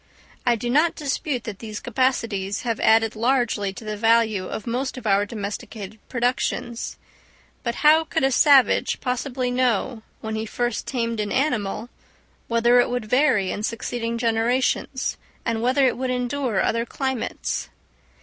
I do not dispute that these capacities have added largely to the value of most of our domesticated productions; but how could a savage possibly know, when he first tamed an animal, whether it would vary in succeeding generations, and whether it would endure other climates?